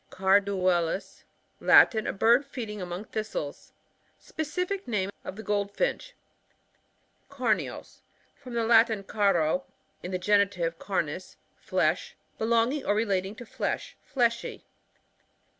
Carduelis — Latin. A bird feeding among thistles. Specific name of the Goldfinch. Carneous. — From the Latin, caro^ ( in the genitive, carnis, flesh. ). Belonging or relating to flesh; fleshy.